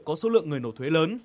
có số lượng người nộp thuế lớn